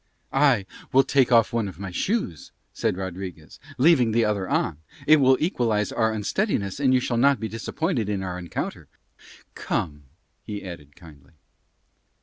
"I will take off one of my shoes," said Rodriguez, "leaving the other on. It will equalise our unsteadiness, and you shall not be disappointed in our encounter. Come," he added kindly.